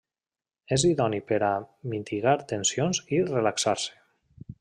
És idoni per a mitigar tensions i relaxar-se.